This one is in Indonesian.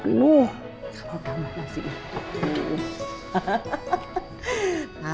kalau tambah nasinya